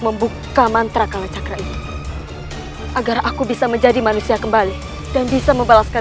membuka mantra kalacakra ini agar aku bisa menjadi manusia kembali dan bisa membalaskan